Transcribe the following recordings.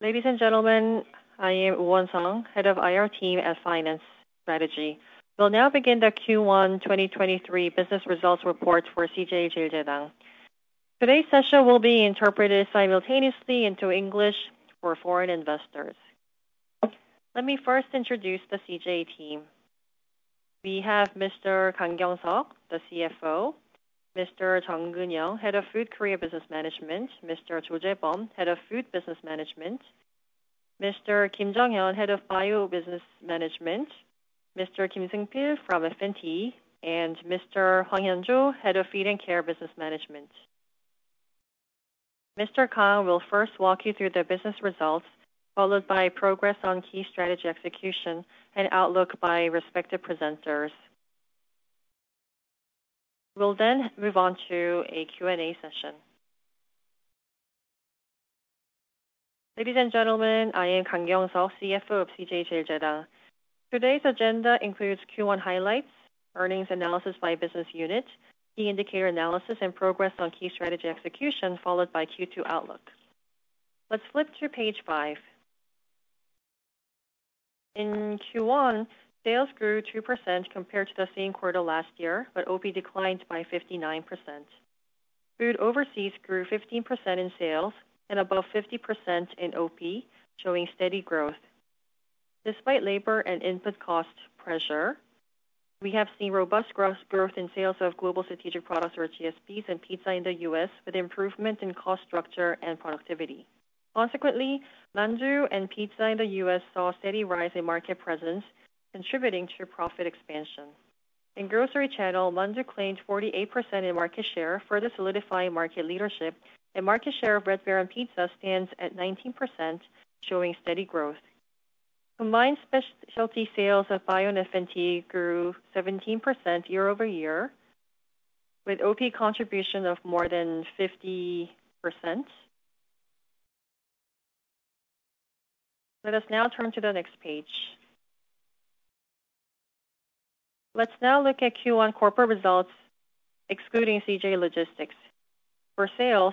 Ladies and gentlemen, I am Woo Seong Jun, Head of IR Team at Finance Strategy. We'll now begin the Q1 2023 business results report for CJ CheilJedang. Today's session will be interpreted simultaneously into English for foreign investors. Let me first introduce the CJ team. We have Mr. Kang Kyoung Suk, the CFO, Mr. Jung Geun-yeong, Head of Food Korea Business Management, Mr. Cho Jae-beom, Head of Food Business Management, Mr. Kim Jung Hyung, Head of Bio Business Management, Mr. Kim Seung Pil from F&T, and Mr. Hwang Hyun-jo, Head of Feed and Care Business Management. Mr. Kang will first walk you through the business results, followed by progress on key strategy execution and outlook by respective presenters. We'll move on to a Q&A session. Ladies and gentlemen, I am Kang Kyoung Suk, CFO of CJ CheilJedang. Today's agenda includes Q1 highlights, earnings analysis by business unit, key indicator analysis, and progress on key strategy execution, followed by Q2 outlooks. Let's flip to page five. In Q1, sales grew 2% compared to the same quarter last year, OP declined by 59%. Food overseas grew 15% in sales and above 50% in OP, showing steady growth. Despite labor and input cost pressure, we have seen robust gross growth in sales of global strategic products or GSPs and pizza in the U.S., with improvement in cost structure and productivity. Consequently, Mandu and pizza in the U.S. saw a steady rise in market presence, contributing to profit expansion. In grocery channel, Mandu claimed 48% in market share, further solidifying market leadership, and market share of Red Baron Pizza stands at 19%, showing steady growth. Combined specialty sales of bio and F&T grew 17% year-over-year, with OP contribution of more than 50%. Turn to the next page. Look at Q1 corporate results, excluding CJ Logistics.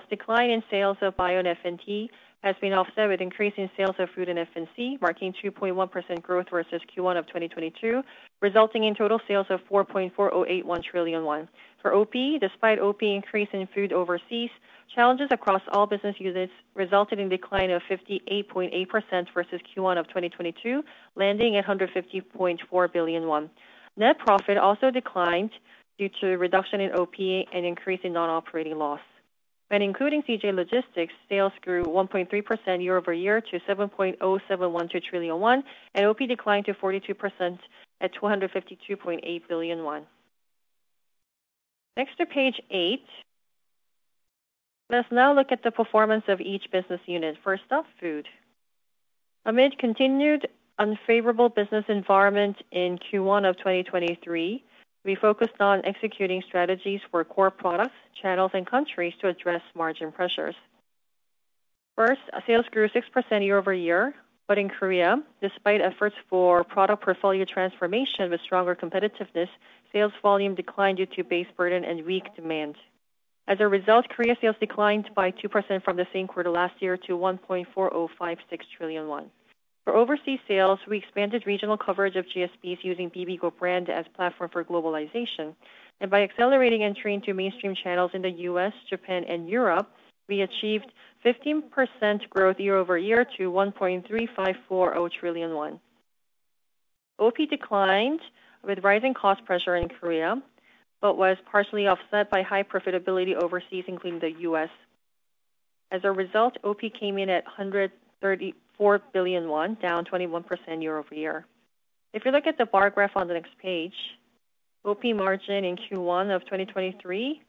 Decline in sales of bio and F&T has been offset with increase in sales of food and F&C, marking 2.1% growth versus Q1 of 2022, resulting in total sales of 4.4081 trillion won. Despite OP increase in food overseas, challenges across all business units resulted in decline of 58.8% versus Q1 of 2022, landing at 150.4 billion won. Net profit also declined due to reduction in OP and increase in non-operating loss. When including CJ Logistics, sales grew 1.3% year-over-year to 7.0712 trillion won, and OP declined to 42% at 252.8 billion won. Next to page eight. Let's now look at the performance of each business unit. First up, food. Amid continued unfavorable business environment in Q1 of 2023, we focused on executing strategies for core products, channels, and countries to address margin pressures. Sales grew 6% year-over-year, but in Korea, despite efforts for product portfolio transformation with stronger competitiveness, sales volume declined due to base burden and weak demand. As a result, Korea sales declined by 2% from the same quarter last year to 1.4056 trillion won. For overseas sales, we expanded regional coverage of GSPs using Bibigo brand as platform for globalization. By accelerating entry into mainstream channels in the US, Japan and Europe, we achieved 15% growth year-over-year to 1.354 trillion won. OP declined with rising cost pressure in Korea, but was partially offset by high profitability overseas, including the US. As a result, OP came in at 134 billion won, down 21% year-over-year. If you look at the bar graph on the next page, OP margin in Q1 of 2023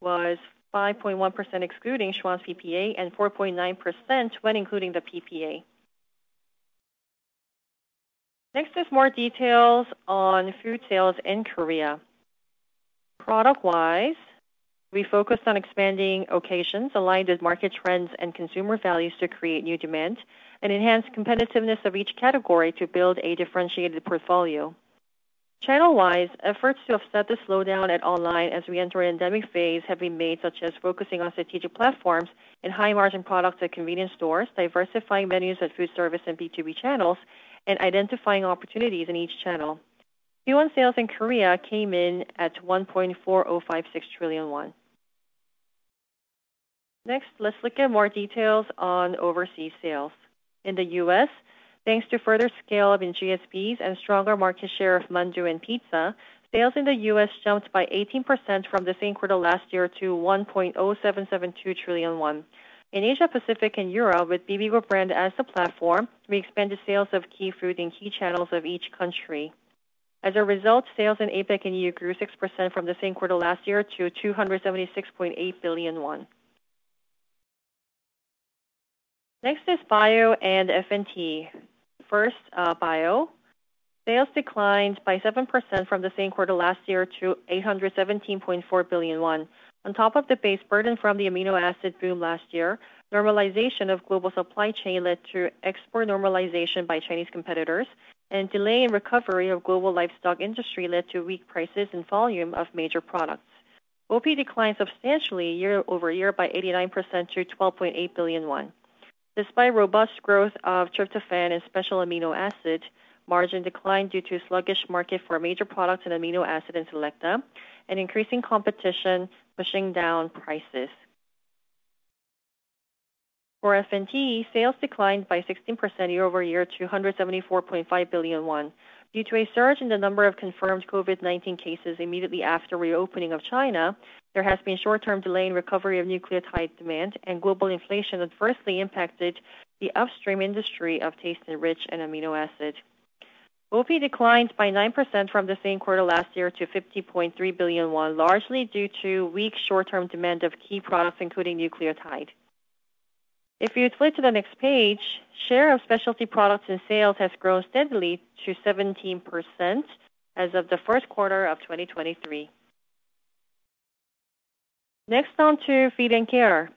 was 5.1%, excluding Schwan's PPA, and 4.9% when including the PPA. Next is more details on food sales in Korea. Product-wise, we focused on expanding occasions aligned with market trends and consumer values to create new demand and enhance competitiveness of each category to build a differentiated portfolio. Channel-wise, efforts to offset the slowdown at online as we enter an endemic phase have been made, such as focusing on strategic platforms and high-margin products at convenience stores, diversifying menus at food service and B2B channels, and identifying opportunities in each channel. Q1 sales in Korea came in at 1.4056 trillion won. Let's look at more details on overseas sales. In the U.S., thanks to further scale-up in GSPs and stronger market share of Mandu and pizza, sales in the U.S. jumped by 18% from the same quarter last year to 1.0772 trillion won. In Asia Pacific and Europe, with Bibigo brand as the platform, we expanded sales of key food in key channels of each country. Sales in APAC and EU grew 6% from the same quarter last year to 276.8 billion won. Bio and F&T. First, bio. Sales declined by 7% from the same quarter last year to 817.4 billion won. On top of the base burden from the amino acid boom last year, normalization of global supply chain led to export normalization by Chinese competitors, and delay in recovery of global livestock industry led to weak prices and volume of major products. OP declined substantially year-over-year by 89% to 12.8 billion won. Despite robust growth of tryptophan and special amino acid, margin declined due to sluggish market for major products in amino acid and Selecta and increasing competition pushing down prices. For F&C, sales declined by 16% year-over-year to 174.5 billion won due to a surge in the number of confirmed COVID-19 cases immediately after reopening of China, there has been short-term delay in recovery of nucleotide demand, and global inflation adversely impacted the upstream industry of taste enrichment and amino acid. OP declined by 9% from the same quarter last year to 50.3 billion won, largely due to weak short-term demand of key products, including nucleotide. If you flip to the next page, share of specialty products and sales has grown steadily to 17% as of the first quarter of 2023. Next on to Feed & Care.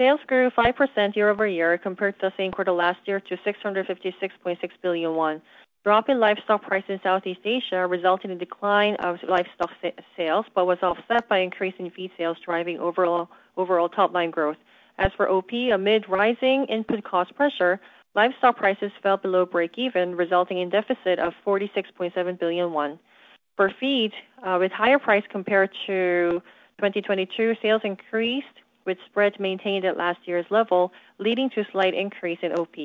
Sales grew 5% year-over-year compared to the same quarter last year to 656.6 billion won. Drop in livestock price in Southeast Asia resulted in decline of livestock sales, but was offset by increasing feed sales, driving overall top line growth. As for OP, amid rising input cost pressure, livestock prices fell below break even, resulting in deficit of 46.7 billion won. For feed, with higher price compared to 2022, sales increased with spreads maintained at last year's level, leading to a slight increase in OP.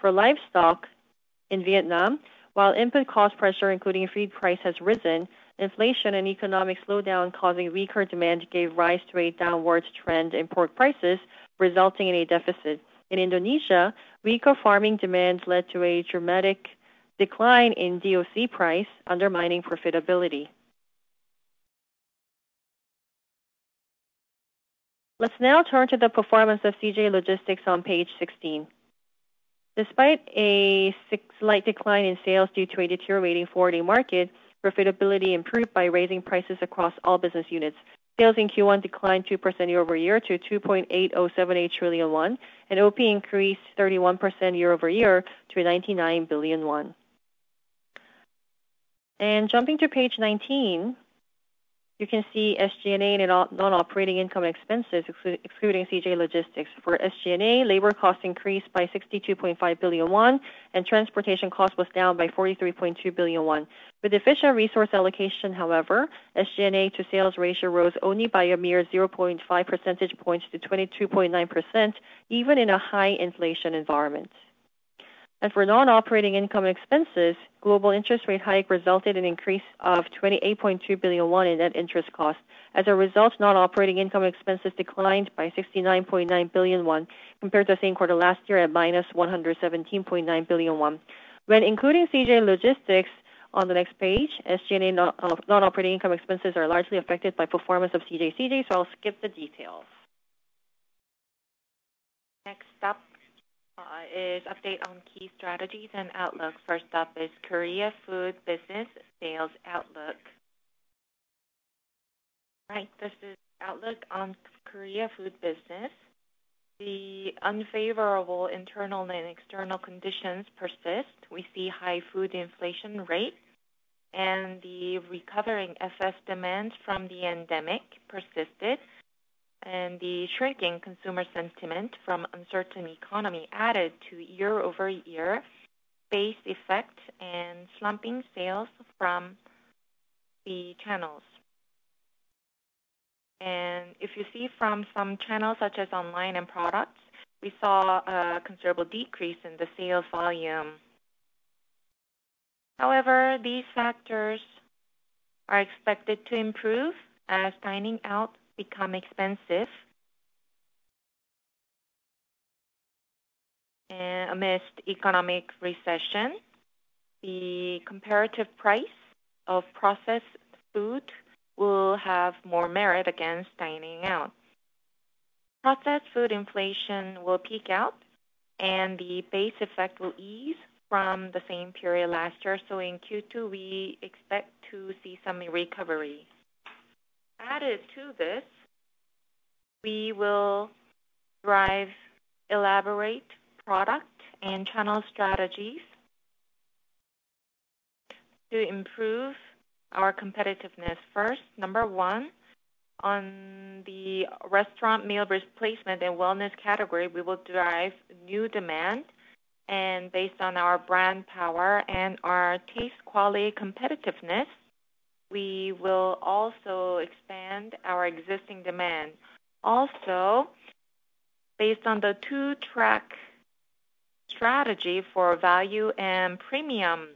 For livestock in Vietnam, while input cost pressure, including feed price, has risen, inflation and economic slowdown causing weaker demand gave rise to a downward trend in pork prices, resulting in a deficit. In Indonesia, weaker farming demand led to a dramatic decline in DOC price, undermining profitability. Let's now turn to the performance of CJ Logistics on page 16. Despite a slight decline in sales due to a deteriorating forwarding market, profitability improved by raising prices across all business units. Sales in Q1 declined 2% year-over-year to 2.8078 trillion won, OP increased 31% year-over-year to 99 billion won. Jumping to page 19, you can see SG&A and non-operating income expenses, excluding CJ Logistics. For SG&A, labor costs increased by 62.5 billion won, transportation cost was down by 43.2 billion won. With efficient resource allocation, however, SG&A to sales ratio rose only by a mere 0.5 percentage points to 22.9%, even in a high inflation environment. For non-operating income expenses, global interest rate hike resulted in increase of 28.2 billion won in net interest costs. As a result, non-operating income expenses declined by 69.9 billion won compared to the same quarter last year at minus 117.9 billion won. When including CJ Logistics on the next page, SG&A non-operating income expenses are largely affected by performance of CJ CGV, so I'll skip the details. Next up is update on key strategies and outlooks. First up is Korea Food business sales outlook. Right. This is outlook on Korea Food business. The unfavorable internal and external conditions persist. We see high food inflation rate, and the recovering effect demand from the endemic persisted, and the shrinking consumer sentiment from uncertain economy added to year-over-year base effect and slumping sales from the channels. If you see from some channels such as online and products, we saw a considerable decrease in the sales volume. However, these factors are expected to improve as dining out become expensive. Amidst economic recession, the comparative price of processed food will have more merit against dining out. Processed food inflation will peak out, and the base effect will ease from the same period last year. In Q2, we expect to see some recovery. Added to this, we will drive elaborate product and channel strategies to improve our competitiveness. First, number one, on the restaurant meal replacement and wellness category, we will derive new demand. Based on our brand power and our taste quality competitiveness, we will also expand our existing demand. Also, based on the two-track strategy for value and premium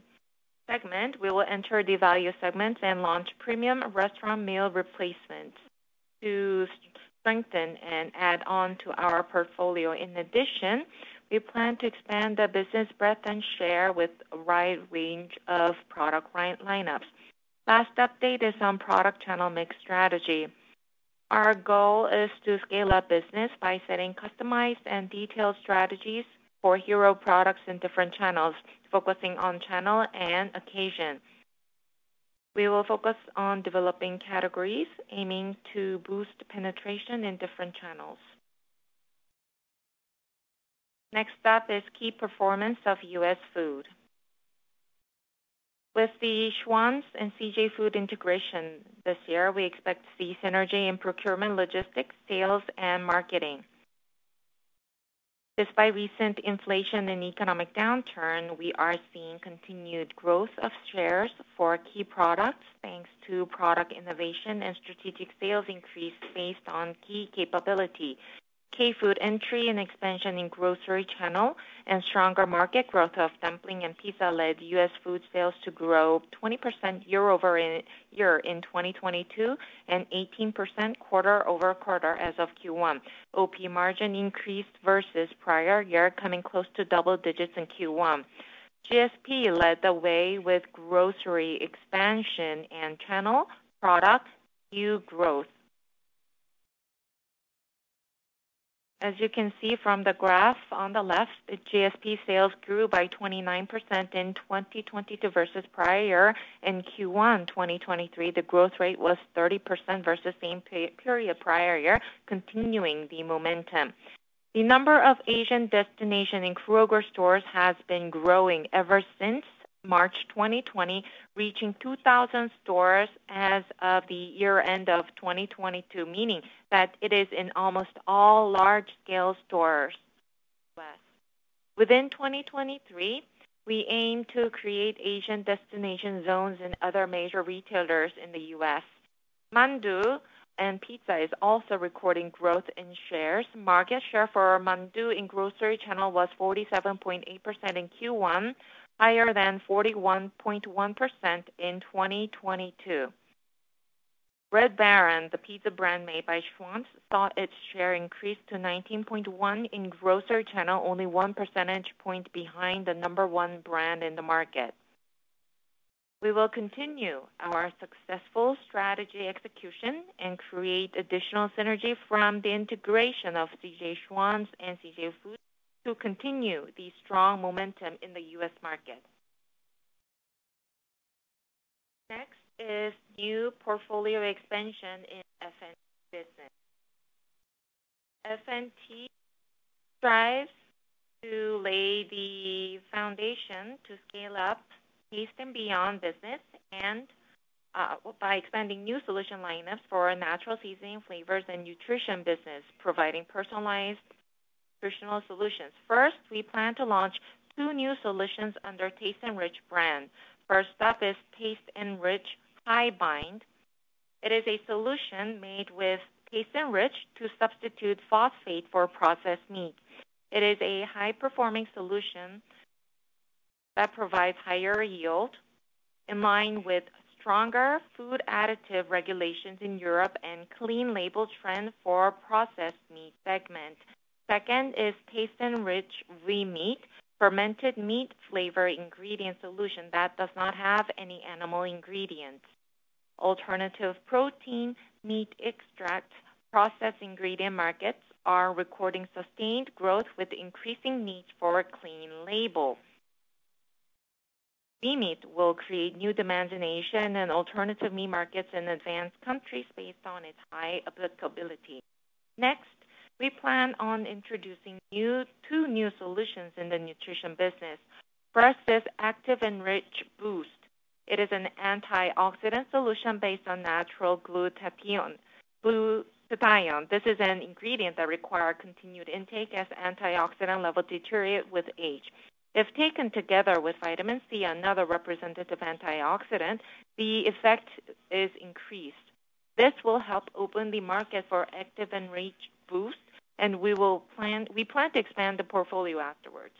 segment, we will enter the value segment and launch premium restaurant meal replacement to strengthen and add on to our portfolio. In addition, we plan to expand the business breadth and share with a wide range of product lineups. Last update is on product channel mix strategy. Our goal is to scale up business by setting customized and detailed strategies for hero products in different channels, focusing on channel and occasion. We will focus on developing categories, aiming to boost penetration in different channels. Next up is key performance of U.S. Food. With the Schwan's and CJ Food integration this year, we expect to see synergy in procurement, logistics, sales, and marketing. Despite recent inflation and economic downturn, we are seeing continued growth of shares for key products, thanks to product innovation and strategic sales increase based on key capability. K-Food entry and expansion in grocery channel and stronger market growth of dumpling and pizza led U.S. Food sales to grow 20% year-over-year in 2022, and 18% quarter-over-quarter as of Q1. OP margin increased versus prior year, coming close to double digits in Q1. GSP led the way with grocery expansion and channel product new growth. As you can see from the graph on the left, GSP sales grew by 29% in 2022 versus prior. In Q1 2023, the growth rate was 30% versus same period prior year, continuing the momentum. The number of Asian destination in Kroger stores has been growing ever since March 2020, reaching 2,000 stores as of the year end of 2022, meaning that it is in almost all large-scale stores. Within 2023, we aim to create Asian destination zones in other major retailers in the U.S. Mandu and pizza is also recording growth in shares. Market share for Mandu in grocery channel was 47.8% in Q1, higher than 41.1% in 2022. Red Baron, the pizza brand made by Schwan's, saw its share increase to 19.1% in grocery channel, only 1 percentage point behind the number one brand in the market. We will continue our successful strategy execution and create additional synergy from the integration of CJ Schwan's and CJ Foods USA to continue the strong momentum in the U.S. market. Next is new portfolio expansion in FNT business. FNT strives to lay the foundation to scale up Taste and Beyond business by expanding new solution lineups for our natural seasoning, flavors, and nutrition business, providing personalized nutritional solutions. First, we plan to launch two new solutions under TasteNrich brand. First up is TasteNrich Hybind. It is a solution made with TasteNrich to substitute phosphate for processed meat. It is a high-performing solution that provides higher yield in line with stronger food additive regulations in Europe and clean label trend for processed meat segment. Second is TasteNrich V-Meat, fermented meat flavor ingredient solution that does not have any animal ingredients. Alternative protein meat extract process ingredient markets are recording sustained growth with increasing need for clean label. V Meat will create new demand generation in alternative meat markets in advanced countries based on its high applicability. We plan on introducing two new solutions in the nutrition business. First is ActiveNrich Boost. It is an antioxidant solution based on natural glutathione. This is an ingredient that require continued intake as antioxidant level deteriorate with age. If taken together with vitamin C, another representative antioxidant, the effect is increased. This will help open the market for ActiveNrich Boost, we plan to expand the portfolio afterwards.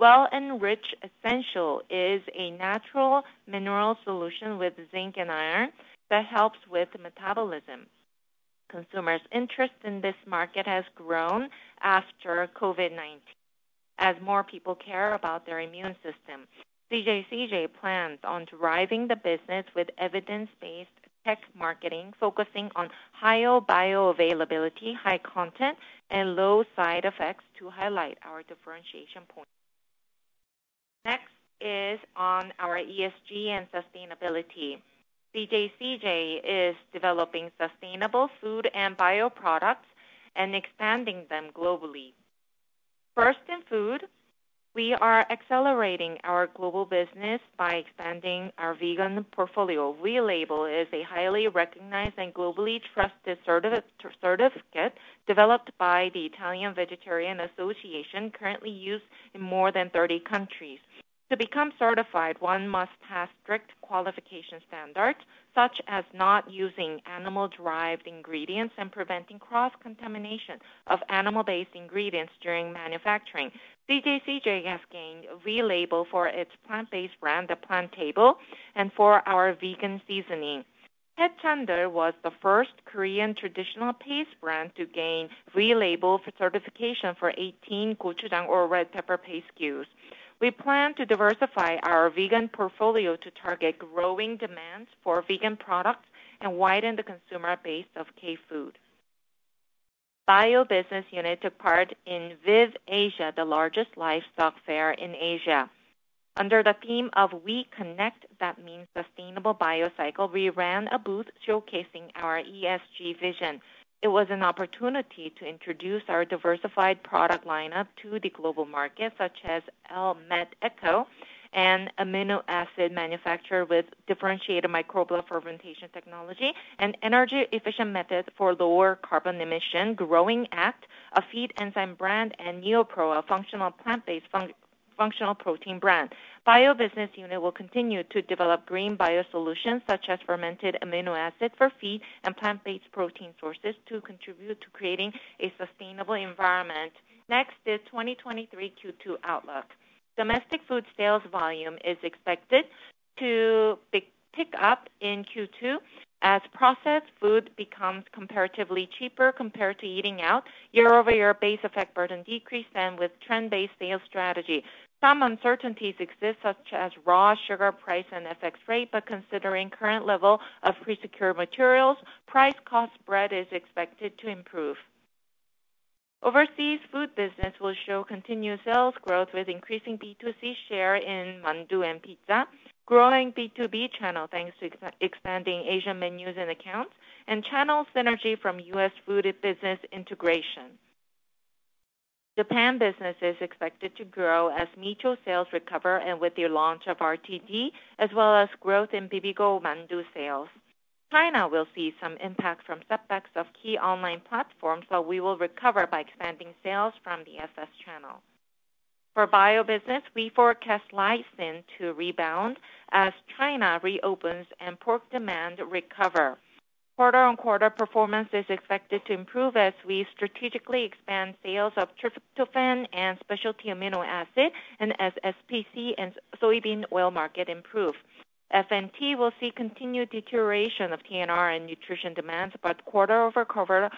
WellNrich Essential is a natural mineral solution with zinc and iron that helps with metabolism. Consumers' interest in this market has grown after COVID-19 as more people care about their immune system. CJ CJ plans on driving the business with evidence-based tech marketing, focusing on higher bioavailability, high content, and low side effects to highlight our differentiation point. Next is on our ESG and sustainability. CJ CJ is developing sustainable food and bioproducts and expanding them globally. First, in food, we are accelerating our global business by expanding our vegan portfolio. V-Label is a highly recognized and globally trusted certificate developed by the Italian Vegetarian Association, currently used in more than 30 countries. To become certified, one must pass strict qualification standards, such as not using animal-derived ingredients and preventing cross-contamination of animal-based ingredients during manufacturing. CJ CJ has gained V-Label for its plant-based brand, The PlantTable, and for our vegan seasoning. Haechandl was the first Korean traditional paste brand to gain V-Label for certification for 18 gochujang or red pepper paste SKUs. We plan to diversify our vegan portfolio to target growing demands for vegan products and widen the consumer base of K-Food. Bio business unit took part in VIV Asia, the largest livestock fair in Asia. Under the theme of We Connect, that means sustainable bio cycle, we ran a booth showcasing our ESG vision. It was an opportunity to introduce our diversified product lineup to the global market, such as L-met Eco, an amino acid manufacturer with differentiated microbial fermentation technology, an energy-efficient method for lower carbon emission growing at a feed enzyme brand, and NeoPro, a functional plant-based fun-functional protein brand. Bio business unit will continue to develop green bio solutions such as fermented amino acids for feed and plant-based protein sources to contribute to creating a sustainable environment. Next is 2023 Q2 outlook. Domestic food sales volume is expected to pick up in Q2 as processed food becomes comparatively cheaper compared to eating out, year-over-year base effect burden decrease and with trend-based sales strategy. Considering current level of pre-secure materials, price cost spread is expected to improve. Overseas food business will show continued sales growth with increasing B2C share in Mandu and pizza, growing B2B channel, thanks to expanding Asian menus and accounts, and channel synergy from U.S. food business integration. Japan business is expected to grow as Micho sales recover and with the launch of RTD, as well as growth in Bibigo Mandu sales. China will see some impact from setbacks of key online platforms, but we will recover by expanding sales from the FS channel. For bio business, we forecast lysine to rebound as China reopens and pork demand recover. Quarter-on-quarter performance is expected to improve as we strategically expand sales of tryptophan and specialty amino acids and as SPC and soybean oil market improve. FNT will see continued deterioration of TNR and nutrition demands, quarter-over-quarter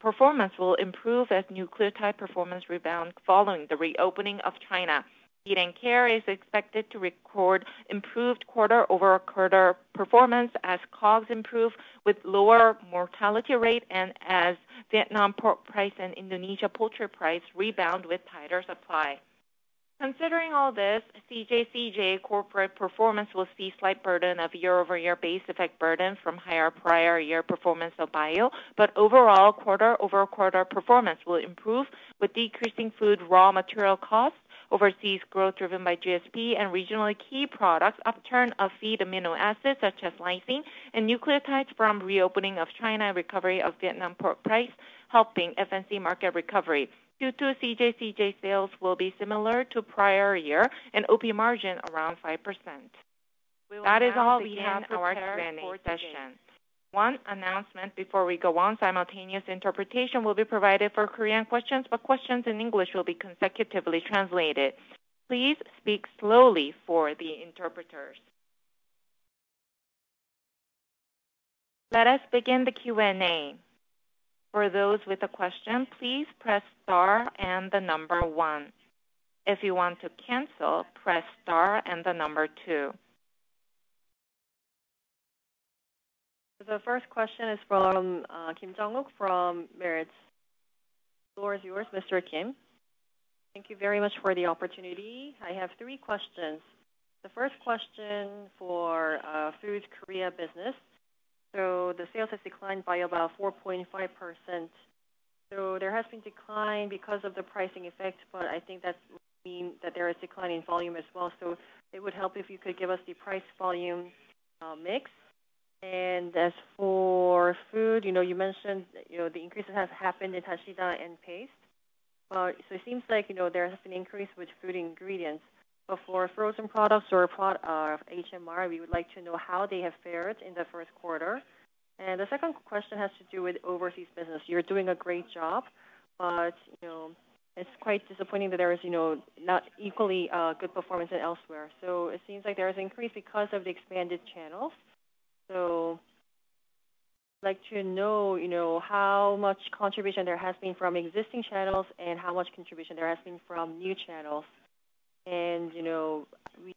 performance will improve as nucleotide performance rebound following the reopening of China. Feed and care is expected to record improved quarter-over-quarter performance as COGS improve with lower mortality rate and as Vietnam pork price and Indonesia poultry price rebound with tighter supply. Considering all this, CJ corporate performance will see slight burden of year-over-year base effect burden from higher prior year performance of bio. Overall, quarter-over-quarter performance will improve with decreasing food raw material costs, overseas growth driven by GSP and regionally key products, upturn of feed amino acids such as lysine and nucleotides from reopening of China, recovery of Vietnam pork price helping FNT market recovery. Q2 CJ sales will be similar to prior year and OP margin around 5%. That is all. We have our Q&A session. One announcement before we go on: simultaneous interpretation will be provided for Korean questions, but questions in English will be consecutively translated. Please speak slowly for the interpreters. Let us begin the Q&A. For those with a question, please press star one. If you want to cancel, press star two. The first question is from Kim Jong-wook from Meritz. The floor is yours, Mr. Kim. Thank you very much for the opportunity. I have three questions. The first question for Food Korea business. The sales has declined by about 4.5%. There has been decline because of the pricing effect, but I think that's mean that there is decline in volume as well. It would help if you could give us the price volume mix. As for food, you know, you mentioned, you know, the increases has happened in DASIDA and paste. It seems like, you know, there has been increase with food ingredients. For frozen products or HMR, we would like to know how they have fared in the first quarter. The second question has to do with overseas business. You're doing a great job, you know, it's quite disappointing that there is, you know, not equally good performance elsewhere. It seems like there is increase because of the expanded channels. Like to know, you know, how much contribution there has been from existing channels and how much contribution there has been from new channels. You know,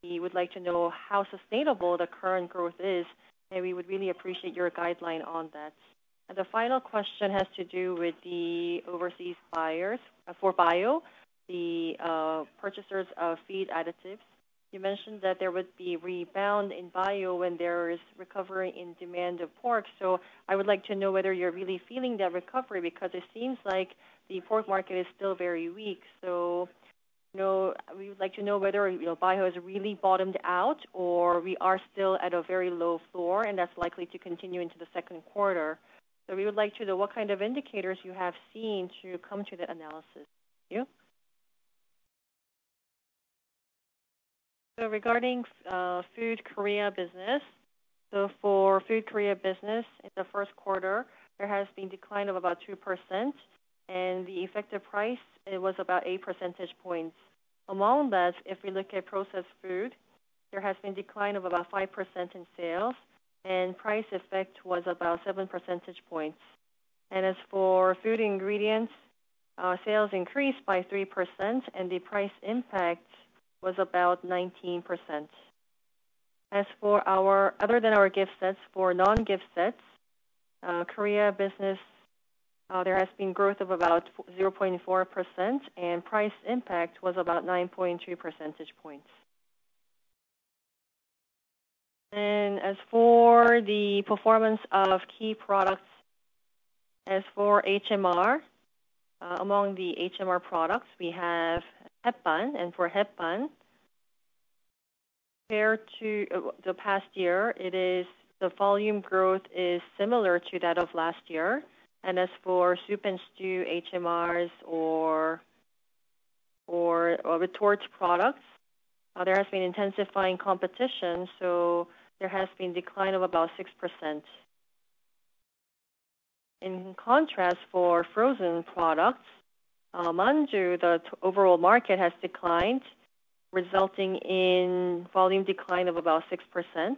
we would like to know how sustainable the current growth is, and we would really appreciate your guideline on that. The final question has to do with the overseas buyers. For Bio, the purchasers of feed additives, you mentioned that there would be rebound in Bio when there is recovery in demand of pork. I would like to know whether you're really feeling that recovery, because it seems like the pork market is still very weak. You know, we would like to know whether, you know, bio has really bottomed out or we are still at a very low floor, and that's likely to continue into the second quarter. We would like to know what kind of indicators you have seen to come to that analysis. Thank you. Regarding Food Korea Business. For Food Korea Business, in the first quarter, there has been decline of about 2%, and the effective price, it was about eight percentage points. Among that, if we look at processed food, there has been decline of about 5% in sales, and price effect was about seven percentage points. As for food ingredients, sales increased by 3%, and the price impact was about 19%. As for our, other than our gift sets, for non-gift sets, Korea business, there has been growth of about 0.4%, and price impact was about 9.2 percentage points. As for the performance of key products, as for HMR, among the HMR products, we have and for compared to the past year, it is, the volume growth is similar to that of last year. As for soup and stew HMRs or retorts products, there has been intensifying competition, so there has been decline of about 6%. In contrast, for frozen products, Mandu, the overall market has declined, resulting in volume decline of about 6%.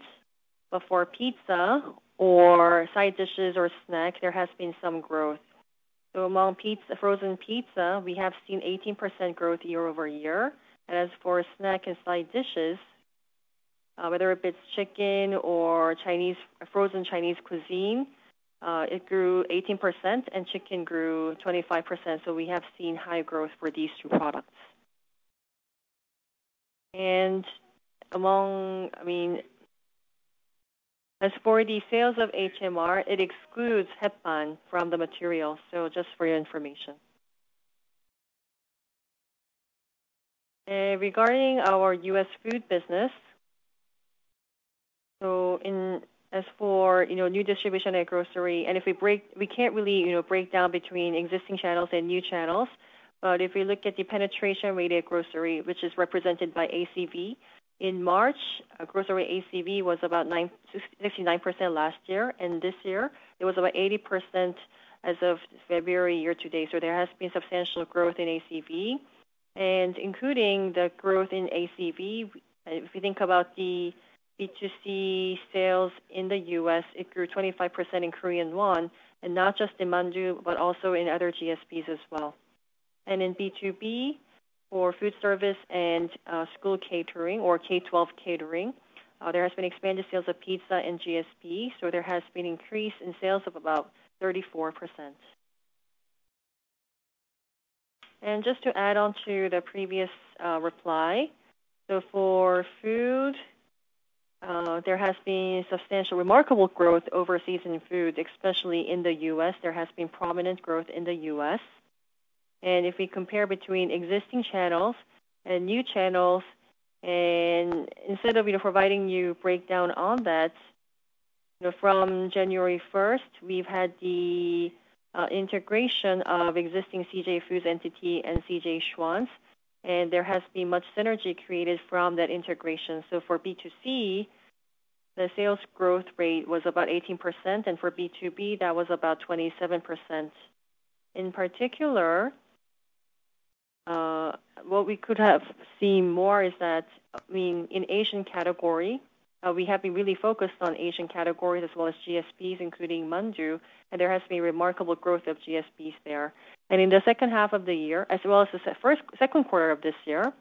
For pizza or side dishes or snack, there has been some growth. Among frozen pizza, we have seen 18% growth year-over-year. As for snack and side dishes, whether it be chicken or Chinese, frozen Chinese cuisine, it grew 18%, and chicken grew 25%. We have seen high growth for these two products. I mean, as for the sales of HMR, it excludes from the material. Just for your information. Regarding our U.S. Food business, you know, new distribution at grocery, we can't really, you know, break down between existing channels and new channels. If we look at the penetration rate at grocery, which is represented by ACV, in March, grocery ACV was about 69% last year, and this year, it was about 80% as of February year-to-date. There has been substantial growth in ACV. Including the growth in ACV, if you think about the B2C sales in the U.S., it grew 25% in KRW, not just in Mandu, but also in other GSPs as well. In B2B or food service and school catering or K12 catering, there has been expanded sales of pizza and GSP, so there has been increase in sales of about 34%. Just to add on to the previous reply, for food, there has been substantial remarkable growth overseas in food, especially in the U.S. There has been prominent growth in the U.S. If we compare between existing channels and new channels, instead of, you know, providing you breakdown on that, you know, from January 1st, we've had the integration of existing CJ Foods entity and CJ Schwan's. There has been much synergy created from that integration. For B2C, the sales growth rate was about 18%, and for B2B, that was about 27%. In particular, what we could have seen more is that, I mean, in Asian category, we have been really focused on Asian categories as well as GSPs, including Mandu, and there has been remarkable growth of GSPs there. In the second half of the year as well as the second quarter of this year,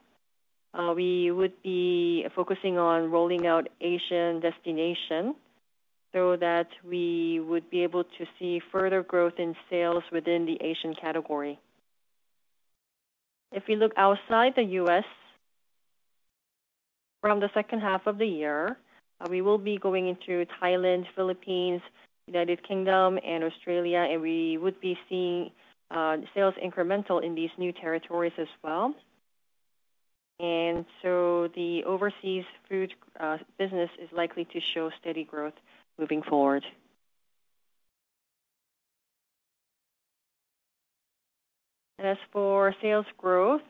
we would be focusing on rolling out Asian destination so that we would be able to see further growth in sales within the Asian category. If you look outside the US, from the second half of the year, we will be going into Thailand, Philippines, United Kingdom, and Australia, and we would be seeing sales incremental in these new territories as well. The overseas food business is likely to show steady growth moving forward. As for sales growth,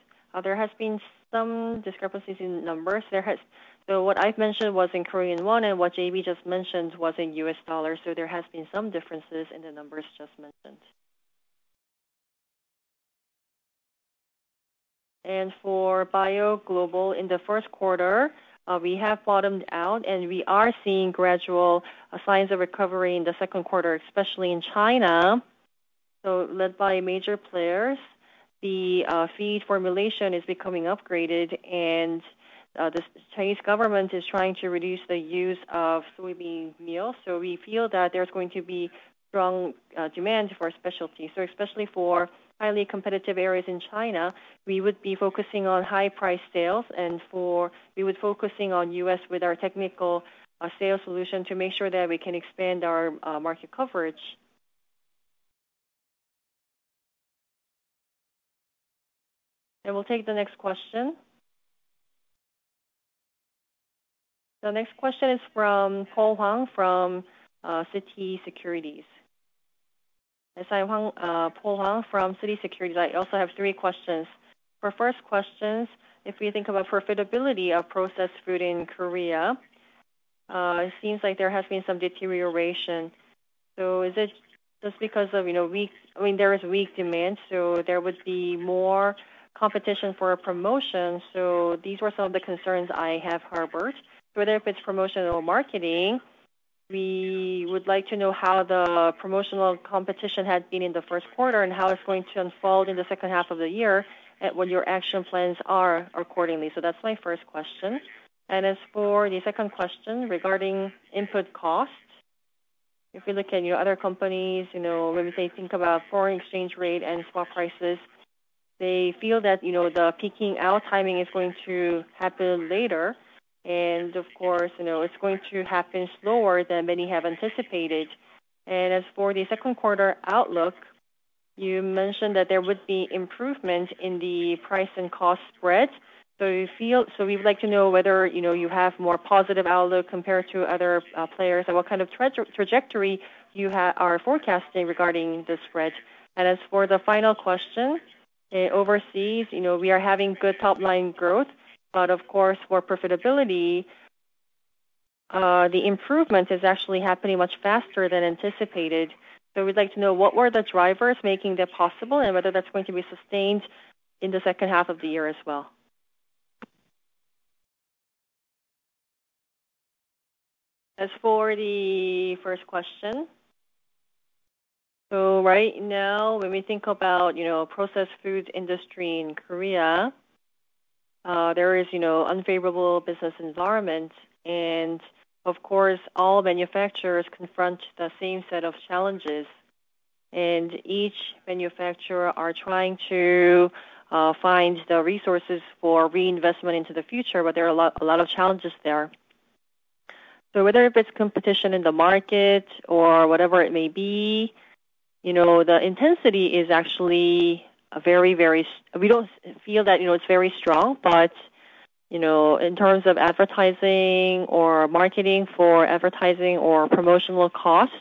there has been some discrepancies in numbers. What I've mentioned was in Korean won, and what J.B. just mentioned was in US dollars, so there has been some differences in the numbers just mentioned. For bio global in the first quarter, we have bottomed out, and we are seeing gradual signs of recovery in the second quarter, especially in China. Led by major players, the feed formulation is becoming upgraded and the Chinese government is trying to reduce the use of soybean meal. We feel that there's going to be strong demand for specialties. Especially for highly competitive areas in China, we would be focusing on high price sales and for, we would focusing on U.S. with our technical sales solution to make sure that we can expand our market coverage. We'll take the next question. The next question is from Paul Huang from Citi Securities. Yes, hi, Huang, Paul Huang from Citi Securities. I also have three questions. For first questions, if we think about profitability of processed food in Korea, it seems like there has been some deterioration. Is it just because of, you know, I mean, there is weak demand, so there would be more competition for promotion? These were some of the concerns I have harbored, whether if it's promotional marketing. We would like to know how the promotional competition had been in the first quarter and how it's going to unfold in the second half of the year, and what your action plans are accordingly. That's my first question. As for the second question regarding input costs, if we look at your other companies, you know, when they think about foreign exchange rate and spot prices, they feel that, you know, the peaking out timing is going to happen later. Of course, you know, it's going to happen slower than many have anticipated. As for the second quarter outlook, you mentioned that there would be improvement in the price and cost spread. We would like to know whether, you know, you have more positive outlook compared to other players and what kind of trajectory you are forecasting regarding the spread. As for the final question, overseas, you know, we are having good top-line growth, but of course, for profitability, the improvement is actually happening much faster than anticipated. We'd like to know what were the drivers making that possible and whether that's going to be sustained in the second half of the year as well. As for the first question. Right now, when we think about, you know, processed food industry in Korea, there is, you know, unfavorable business environment. Of course, all manufacturers confront the same set of challenges. Each manufacturer are trying to find the resources for reinvestment into the future, but there are a lot of challenges there. Whether if it's competition in the market or whatever it may be, you know, the intensity is actually a very. We don't feel that, you know, it's very strong. In terms of advertising or marketing for advertising or promotional costs,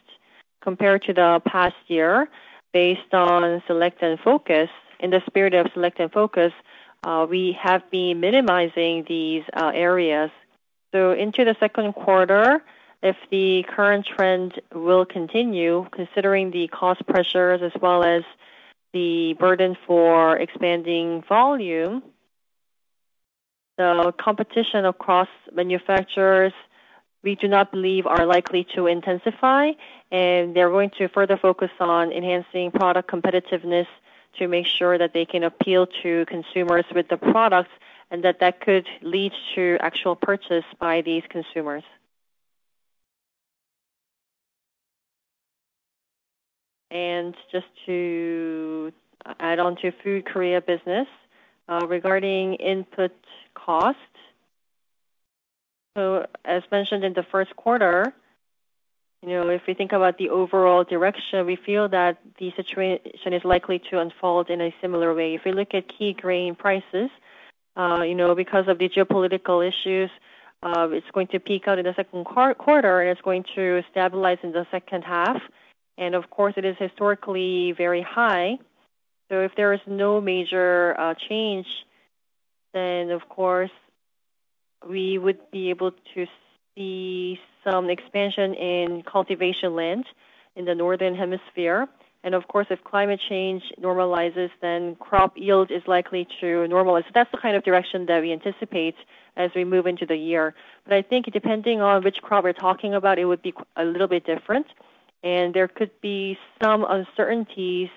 compared to the past year, based on select and focus, in the spirit of select and focus, we have been minimizing these areas. Into the second quarter, if the current trend will continue, considering the cost pressures as well as the burden for expanding volume, the competition across manufacturers, we do not believe are likely to intensify, and they're going to further focus on enhancing product competitiveness to make sure that they can appeal to consumers with the products, and that could lead to actual purchase by these consumers. Just to add on to Food Korea business, regarding input cost. As mentioned in the first quarter, you know, if we think about the overall direction, we feel that the situation is likely to unfold in a similar way. If we look at key grain prices, you know, because of the geopolitical issues, it's going to peak out in the second quarter, and it's going to stabilize in the second half. Of course, it is historically very high. If there is no major change, of course, we would be able to see some expansion in cultivation land in the Northern Hemisphere. Of course, if climate change normalizes, crop yield is likely to normalize. That's the kind of direction that we anticipate as we move into the year. I think depending on which crop we're talking about, it would be a little bit different. There could be some uncertainties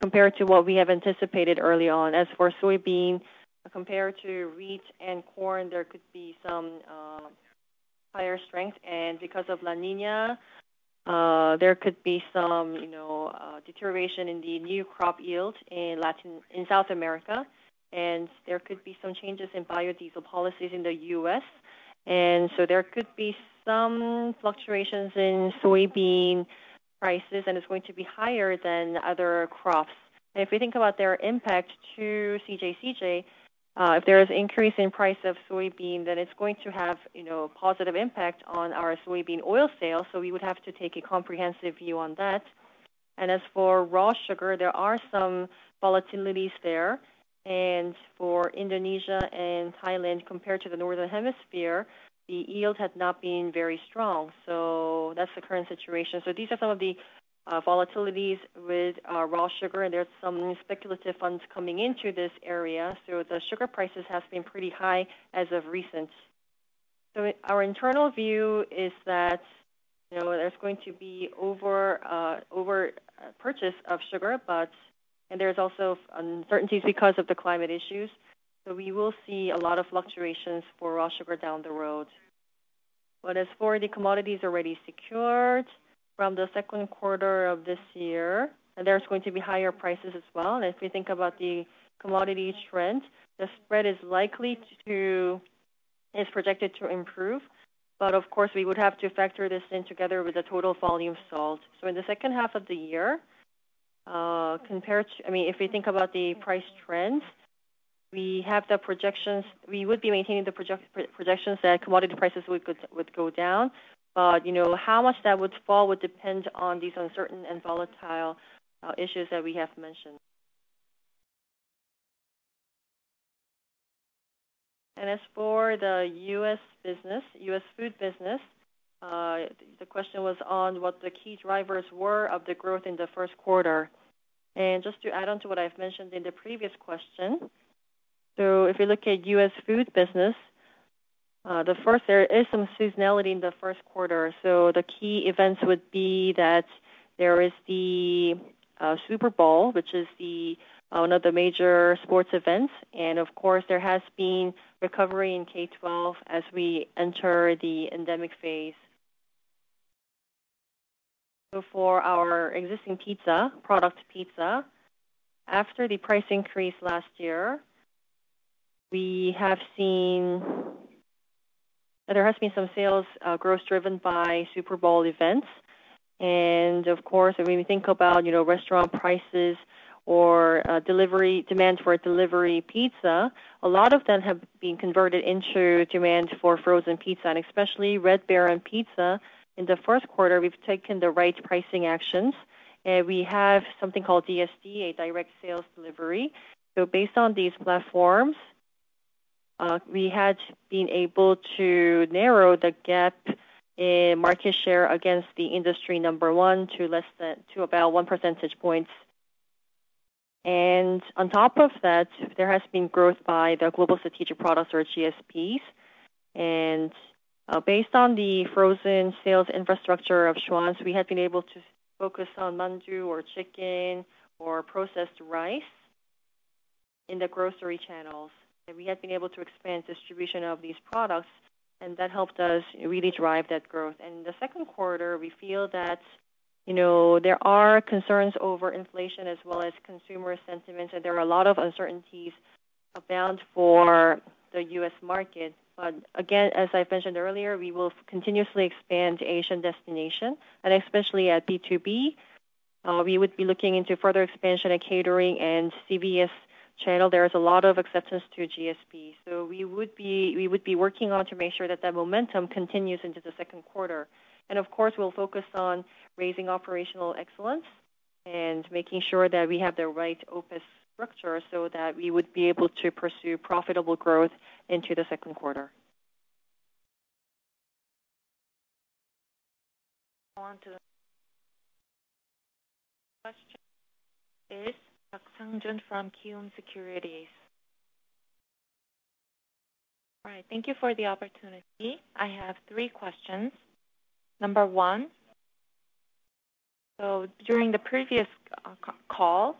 compared to what we have anticipated early on. As for soybean, compared to wheat and corn, there could be some higher strength. Because of La Niña, there could be some, you know, deterioration in the new crop yield in Latin, in South America, and there could be some changes in biodiesel policies in the U.S. There could be some fluctuations in soybean prices, and it's going to be higher than other crops. If we think about their impact to CJ CGV, if there is increase in price of soybean, then it's going to have, you know, a positive impact on our soybean oil sales. We would have to take a comprehensive view on that. As for raw sugar, there are some volatilities there. For Indonesia and Thailand, compared to the Northern Hemisphere, the yield had not been very strong. That's the current situation. These are some of the volatilities with raw sugar, and there's some speculative funds coming into this area. The sugar prices has been pretty high as of recent. Our internal view is that, you know, there's going to be over purchase of sugar, but... There's also uncertainties because of the climate issues. We will see a lot of fluctuations for raw sugar down the road. As for the commodities already secured from the second quarter of this year, there's going to be higher prices as well. If we think about the commodity trend, the spread is projected to improve. Of course, we would have to factor this in together with the total volume sold. In the second half of the year, compared to... I mean, if we think about the price trends, we have the projections, we would be maintaining the projections that commodity prices would go down. You know, how much that would fall would depend on these uncertain and volatile issues that we have mentioned. As for the U.S. business, U.S. food business, the question was on what the key drivers were of the growth in the first quarter. Just to add on to what I've mentioned in the previous question. If you look at U.S. food business, there is some seasonality in the first quarter. The key events would be that there is the Super Bowl, which is one of the major sports events. Of course, there has been recovery in K-12 as we enter the endemic phase. For our existing pizza product, after the price increase last year, we have seen that there has been some sales growth driven by Super Bowl events. Of course, when we think about, you know, restaurant prices or delivery, demand for delivery pizza, a lot of them have been converted into demand for frozen pizza, and especially Red Baron Pizza. In the first quarter, we've taken the right pricing actions, and we have something called DSD, a direct sales delivery. Based on these platforms, we had been able to narrow the gap in market share against the industry number one to less than, to about one percentage point. On top of that, there has been growth by the global strategic products or GSPs. Based on the frozen sales infrastructure of Schwan's, we have been able to focus on Mandu or chicken or processed rice in the grocery channels. We have been able to expand distribution of these products, and that helped us really drive that growth. In the second quarter, we feel that, you know, there are concerns over inflation as well as consumer sentiments, there are a lot of uncertainties abound for the U.S. market. Again, as I mentioned earlier, we will continuously expand to Asian destination. Especially at B2B, we would be looking into further expansion in catering and CVS channel. There is a lot of acceptance to GSP. We would be working on to make sure that that momentum continues into the 2nd quarter. Of course, we'll focus on raising operational excellence and making sure that we have the right OPEX structure so that we would be able to pursue profitable growth into the 2nd quarter. On to the next question is Park Sangjun from Kiwoom Securities. All right. Thank you for the opportunity. I have three questions. Number one, during the previous call,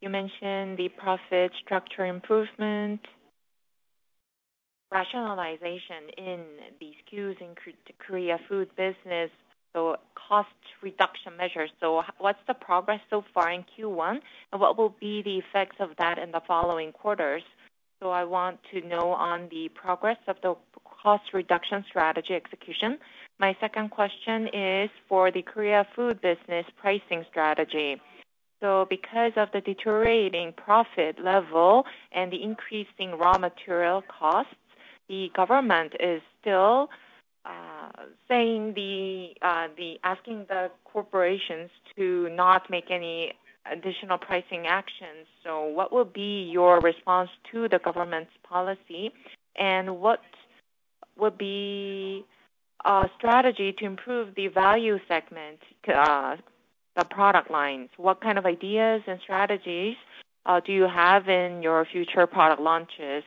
you mentioned the profit structure improvement, rationalization in the SKUs in K-Korea food business, cost reduction measures. What's the progress so far in Q1, and what will be the effects of that in the following quarters? I want to know on the progress of the cost reduction strategy execution. My second question is for the Korea food business pricing strategy. Because of the deteriorating profit level and the increasing raw material costs, the government is still saying the asking the corporations to not make any additional pricing actions. What will be your response to the government's policy, and what would be a strategy to improve the value segment, the product lines? What kind of ideas and strategies do you have in your future product launches?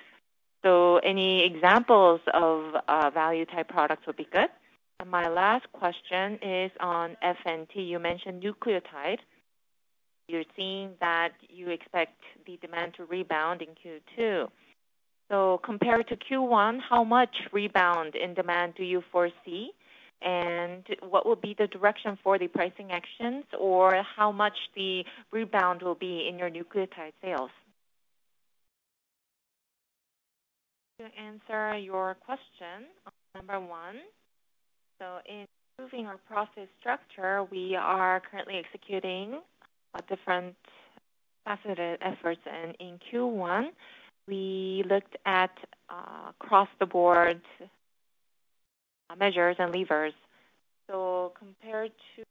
Any examples of value type products would be good. My last question is on F&T. You mentioned nucleotide. You're seeing that you expect the demand to rebound in Q2. Compared to Q1, how much rebound in demand do you foresee? What will be the direction for the pricing actions or how much the rebound will be in your nucleotide sales? To answer your question on number one, in improving our process structure, we are currently executing different faceted efforts. In Q1, we looked at across-the-board measures and levers. Compared to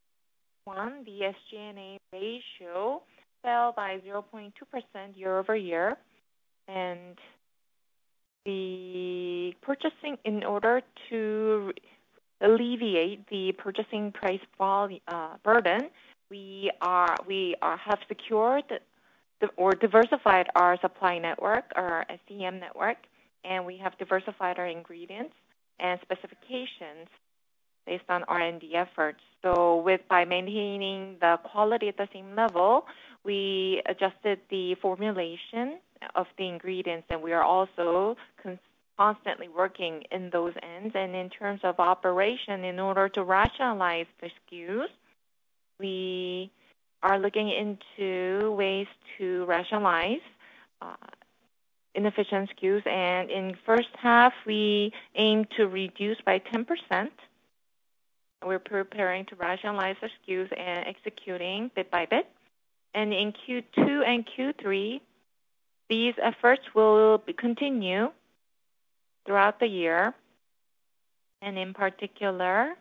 one, the SG&A ratio fell by 0.2% year-over-year. The purchasing, in order to alleviate the purchasing price burden, we are have secured or diversified our supply network, our SCM network, and we have diversified our ingredients and specifications based on R&D efforts. With, by maintaining the quality at the same level, we adjusted the formulation of the ingredients, and we are also constantly working in those ends. In terms of operation, in order to rationalize the SKUs, we are looking into ways to rationalize inefficient SKUs. In first half, we aim to reduce by 10%. We're preparing to rationalize the SKUs and executing bit by bit. In Q2 and Q3, these efforts will continue throughout the year, and in particular,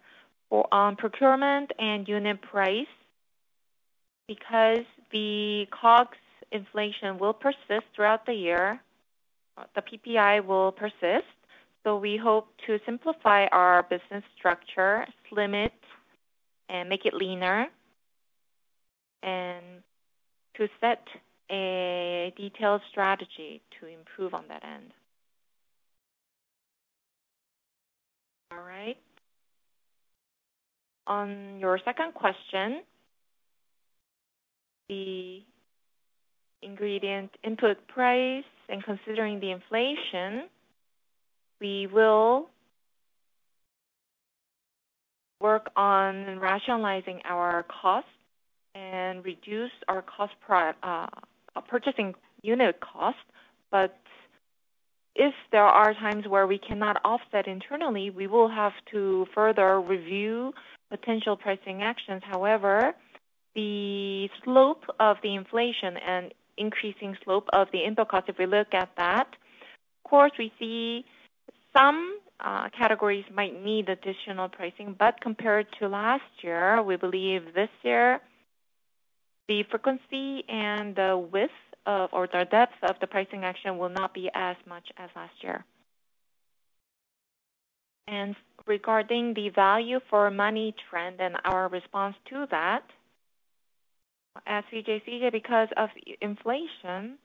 on procurement and unit price. The COGS inflation will persist throughout the year. The PPI will persist. We hope to simplify our business structure limit and make it leaner. To set a detailed strategy to improve on that end. All right. On your second question, the ingredient input price and considering the inflation, we will work on rationalizing our costs and reduce our purchasing unit cost. If there are times where we cannot offset internally, we will have to further review potential pricing actions. However, the slope of the inflation and increasing slope of the input cost, if we look at that, of course we see some categories might need additional pricing. Compared to last year, we believe this year the frequency and the width of, or the depth of the pricing action will not be as much as last year. Regarding the value for money trend and our response to that, at CJ CheilJedang, because of inflation,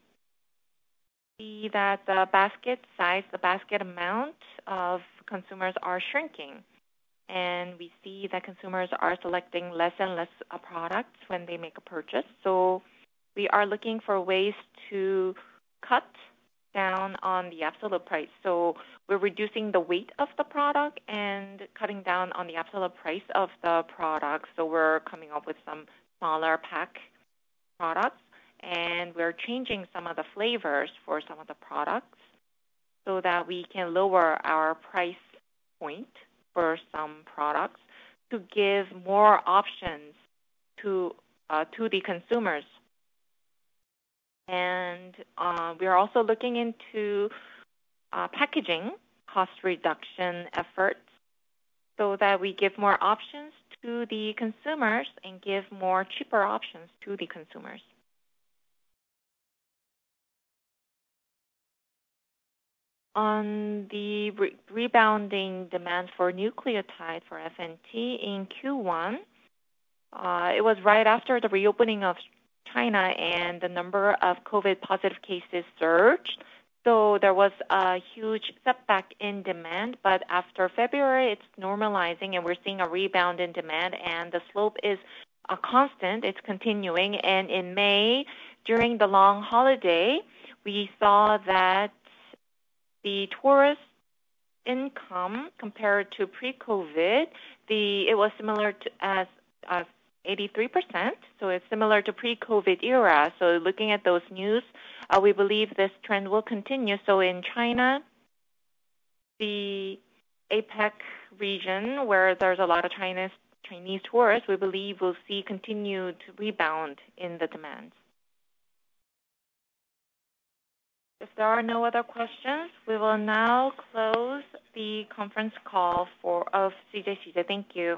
we see that the basket size, the basket amount of consumers are shrinking. We see that consumers are selecting less and less products when they make a purchase. We are looking for ways to cut down on the absolute price, so we're reducing the weight of the product and cutting down on the absolute price of the product. We're coming up with some smaller pack products, and we're changing some of the flavors for some of the products so that we can lower our price point for some products to give more options to the consumers. We are also looking into packaging cost reduction efforts so that we give more options to the consumers and give more cheaper options to the consumers. On the re-rebounding demand for nucleotide, for FNT in Q1, it was right after the reopening of China, the number of COVID positive cases surged. After February, it's normalizing and we're seeing a rebound in demand, the slope is a constant, it's continuing. In May, during the long holiday, we saw that the tourist income compared to pre-COVID, it was similar to as 83%, it's similar to pre-COVID era. Looking at those news, we believe this trend will continue. In China, the APAC region, where there's a lot of Chinese tourists, we believe we'll see continued rebound in the demands. If there are no other questions, we will now close the conference call for of CJ CheilJedang. Thank you.